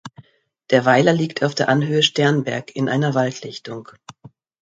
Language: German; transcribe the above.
Der Weiler liegt auf der Anhöhe Sternberg in einer Waldlichtung.